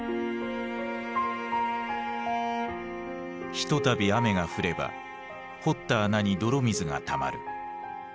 ひとたび雨が降れば掘った穴に泥水がたまる。